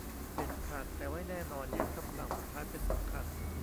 "เด็ดขาด แต่ไม่แน่นอน ยึดคำสั่งสุดท้ายเป็นสำคัญ"